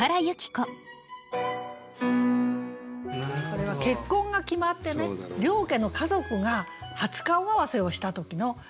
これは結婚が決まってね両家の家族が初顔合わせをした時の歌なんですね。